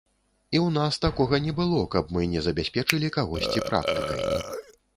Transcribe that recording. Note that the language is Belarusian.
І ў нас такога не было, каб мы не забяспечылі кагосьці практыкай.